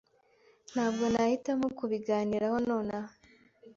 Ntabwo nahitamo kubiganiraho nonaha.